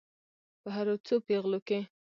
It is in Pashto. په هرو څو پیغلو کې.